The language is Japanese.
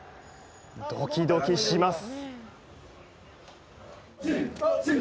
ドキドキします。